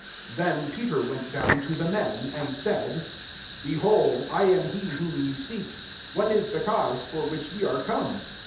21 Then Peter went down to the men ; and said, Behold, I am he whom ye seek : what ia the cause for which ye are come